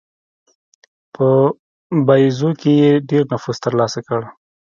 په باییزو کې یې ډېر نفوذ ترلاسه کړ.